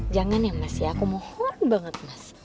jangan ya mas ya aku mohon banget mas